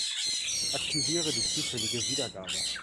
Aktiviere die zufällige Wiedergabe.